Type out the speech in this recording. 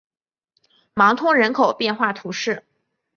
芒通人口变化图示